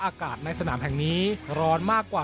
อากาศในสนามแห่งนี้ร้อนมากกว่า